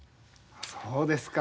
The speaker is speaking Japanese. そうですか。